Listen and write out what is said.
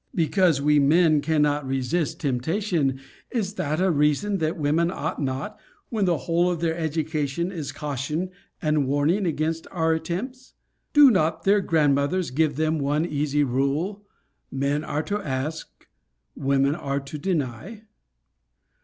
Because we men cannot resist temptation, is that a reason that women ought not, when the whole of their education is caution and warning against our attempts? Do not their grandmothers give them one easy rule Men are to ask Women are to deny?